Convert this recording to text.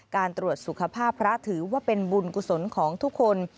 การตรวจสุขภาพพระถือว่าเป็นบุญกุศลของทุกคน